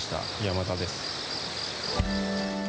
山田です。